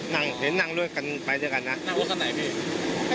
นั่งเห็นนั่งรถกันไปด้วยกันนะนั่งรถกันไหนพี่